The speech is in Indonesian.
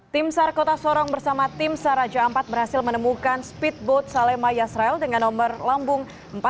tim sar kota sorong bersama tim sar raja ampat berhasil menemukan speedboat salema yassrael dengan nomor lambung empat ratus lima belas